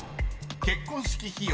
［結婚式費用